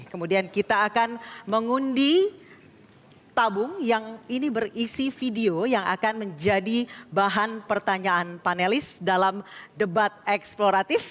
kemudian kita akan mengundi tabung yang ini berisi video yang akan menjadi bahan pertanyaan panelis dalam debat eksploratif